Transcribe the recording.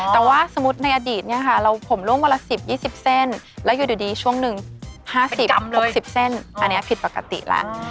แต่ว่าสมมุติในอดีตเนี่ยค่ะเราผมล่วงวันละ๑๐๒๐เส้นแล้วอยู่ดีช่วงหนึ่ง๕๐๖๐เส้นอันนี้ผิดปกติแล้ว